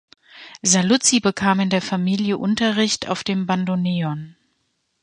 Saluzzi bekam in der Familie Unterricht auf dem Bandoneon.